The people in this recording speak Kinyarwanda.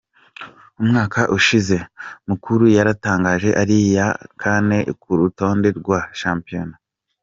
Umwaka ushize, Mukura yarangije ari iya kane ku rutonde rwa shampiyona.